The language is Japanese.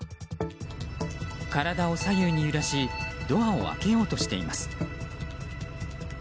体を左右に揺らしドアを開けようとしています。